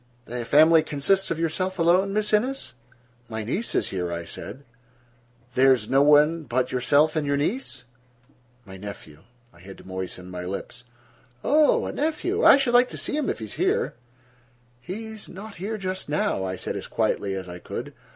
"The family consists of yourself alone, Miss Innes?" "My niece is here," I said. "There is no one but yourself and your niece?" "My nephew." I had to moisten my lips. "Oh, a nephew. I should like to see him, if he is here." "He is not here just now," I said as quietly as I could.